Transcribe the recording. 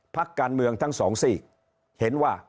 พักการเมืองทั้งสองซีกเห็นว่า